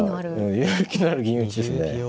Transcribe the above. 勇気のある銀打ちですね。